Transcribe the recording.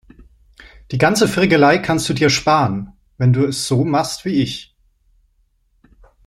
Die ganze Frickelei kannst du dir sparen, wenn du es so machst wie ich.